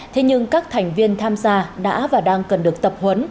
thế nhưng các thành viên tham gia đã và đang cần được tập huấn